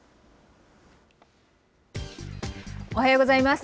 おはようございます。